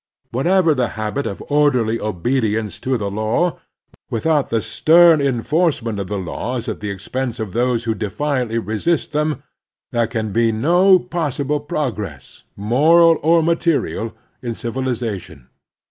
Without the habit of orderly obedience to the law, without the stem enforcement of the laws at the expense of those who defiantly resist them, there can be no possible progress, moral or material, in civiliza tion.